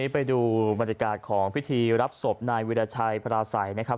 ไปดูบรรยากาศของพิธีรับศพนายวิราชัยพระราศัยนะครับ